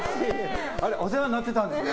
お世話になっていたんですね